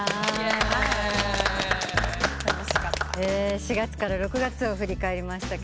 ４月から６月を振り返りました。